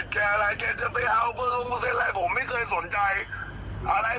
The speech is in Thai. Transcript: แต่ผมไม่สูงความจ้ากู๊ก